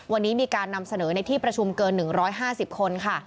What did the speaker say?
วันนี้มีการนำเสนอในที่ประชุมเกิน๑๕๐คนค่ะ